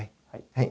はい。